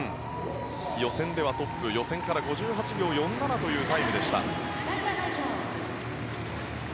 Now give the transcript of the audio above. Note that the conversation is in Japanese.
予選ではトップ予選から５８秒５７というタイムでした。